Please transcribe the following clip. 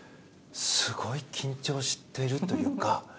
すごい緊張してるというか。